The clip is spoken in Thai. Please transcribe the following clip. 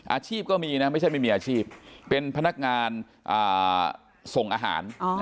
อาชีพก็มีนะไม่ใช่ไม่มีอาชีพเป็นพนักงานส่งอาหาร